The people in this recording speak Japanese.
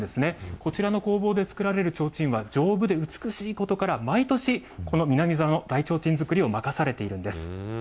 こちらの工房で作られる提灯は丈夫で美しいことから、毎年、この南座の大提灯作りを任されているんです。